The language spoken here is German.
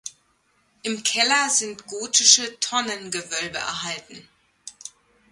Im Keller sind gotische Tonnengewölbe erhalten.